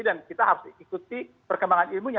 dan kita harus ikuti perkembangan ilmunya